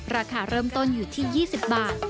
ราคาเริ่มต้นอยู่ที่๒๐บาท